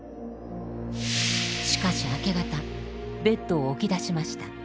しかし明け方ベッドを起きだしました。